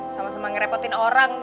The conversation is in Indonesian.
sama sama ngerepotin orang tau gak